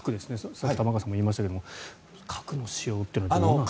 さっき玉川さんも言いましたが核の使用というのはどうなんでしょう。